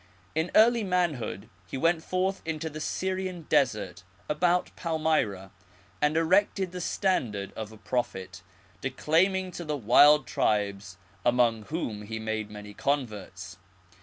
In early manhood he went forth into the Syrian desert about Palmyra, and erected the standard of a Prophet, declaiming to the wild tribes, among rrhom he made many converts.